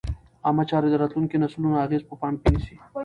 عامه چارې د راتلونکو نسلونو اغېز په پام کې نیسي.